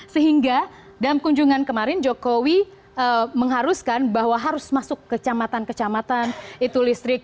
sehingga dalam kunjungan kemarin jokowi mengharuskan bahwa harus masuk kecamatan kecamatan itu listrik